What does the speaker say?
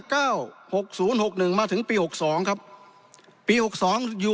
เก้าหกศูนย์หกหนึ่งมาถึงปีหกสองครับปีหกสองอยู่